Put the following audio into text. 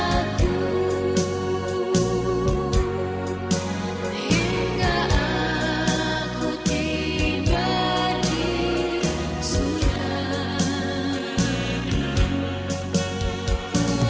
aku mau terima dengan